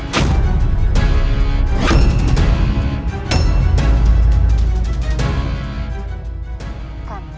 jika kau bersedia ikut denganku